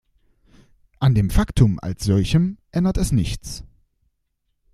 An dem Faktum als solchem ändert es nichts.